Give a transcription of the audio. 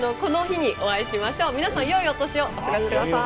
皆さんよいお年をお過ごしください。